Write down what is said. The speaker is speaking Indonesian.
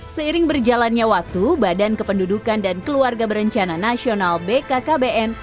seiring berjalannya waktu badan kependudukan dan keluarga berencana nasional bkkbn